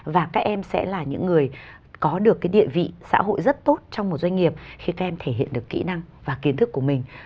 và các em sẽ là những người có được cái địa vị xã hội rất tốt trong một doanh nghiệp khi các em thể hiện được kỹ năng và kiến thức của mình